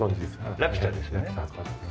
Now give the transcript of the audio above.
『ラピュタ』ですね。